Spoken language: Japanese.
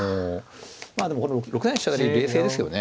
まあでも６三飛車成冷静ですけどね。